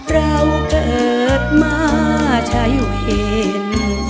เราเกิดมาจะอยู่เห็น